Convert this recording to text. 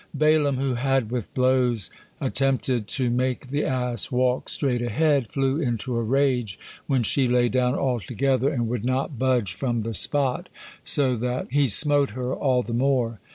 Balaam, who had with blows attempted to make the ass walk straight ahead, flew into a rage when she lay down altogether and would not budge from the spot, so that he smote her all the more.